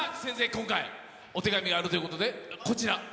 今回、お手紙があるということで、こちら。